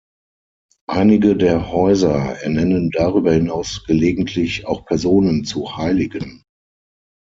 Einige der Häuser ernennen darüber hinaus gelegentlich auch Personen zu "Heiligen".